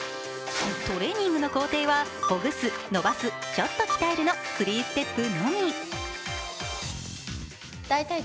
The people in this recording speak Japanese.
トレーニングの工程は、ほぐす、伸ばす、ちょっと鍛えるの３ステップのみ。